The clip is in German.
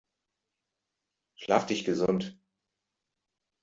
Schlaf dich gesund!